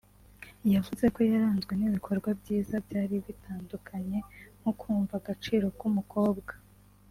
yavuze ko yaranzwe n’ibikorwa byiza byari bitandukanye nko kumva agaciro k’ umukobwa